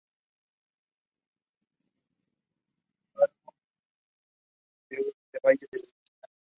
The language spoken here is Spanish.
Dicha inversión carece sin embargo de uso en los valles de demanda.